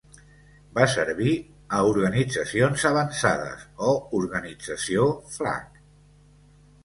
Va servir a Organitzacions Avançades o Organització Flag.